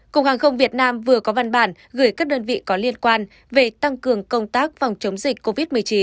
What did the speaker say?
cục hàng không việt nam vừa có văn bản gửi các đơn vị có liên quan về tăng cường công tác phòng chống dịch covid một mươi chín